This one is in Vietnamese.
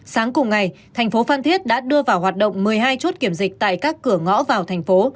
sáng cùng ngày thành phố phan thiết đã đưa vào hoạt động một mươi hai chốt kiểm dịch tại các cửa ngõ vào thành phố